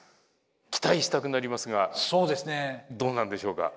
期待したくなりますがどうなんでしょうか？